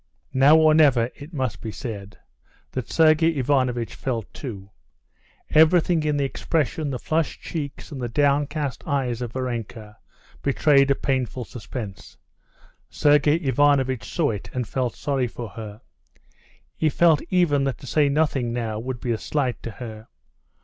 Now or never it must be said—that Sergey Ivanovitch felt too. Everything in the expression, the flushed cheeks and the downcast eyes of Varenka betrayed a painful suspense. Sergey Ivanovitch saw it and felt sorry for her. He felt even that to say nothing now would be a slight to her.